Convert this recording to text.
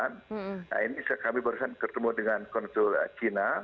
nah ini kami baru saja bertemu dengan kontrol cina